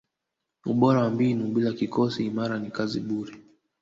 ubora wa mbinu bila kikosi imara ni kazi bure